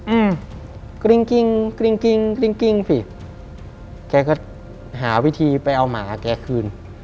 อืมกริ้งกิ้งกริ้งกิ้งกริ้งกิ้งสิแกก็หาวิธีไปเอาหมาแกคืน